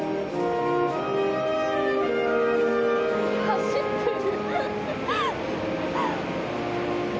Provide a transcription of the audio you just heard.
走ってる。